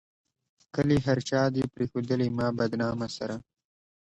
کلي هر چا دې پريښودلي ما بدنامه سره